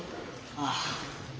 ああ。